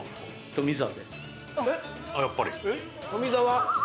富澤？